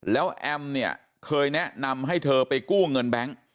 แล้วแอมเนี่ยเคยแนะนำให้เธอไปกู้เงินแบงค์